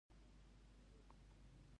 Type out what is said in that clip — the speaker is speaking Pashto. • مینه د بښنې او صبر یوه نښه ده.